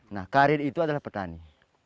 nah karir itu adalah petani